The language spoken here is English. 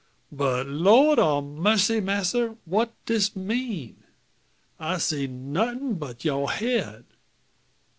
But Lor' o' mercy, masser! what dis mean? I'se see nothin' but you head!